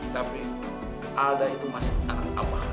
tapi alda itu masih anak abang